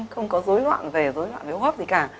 không có dối loạn về dối loạn về hô hấp gì cả